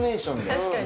確かに。